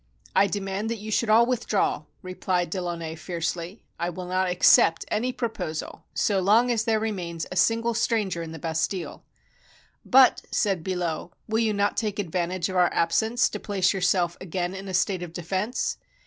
"I demand that you should all withdraw," replied De Launay fiercely. "I will not accept any proposal, so long as there remains a single stranger in the Bas tille." " But," said Billot, " will you not take advantage of our absence to place yourself again in a state of defense?